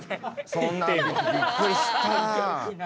そんなんびっくりした。